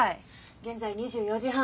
現在２４時半。